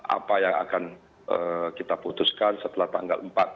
apa yang akan kita putuskan setelah tanggal empat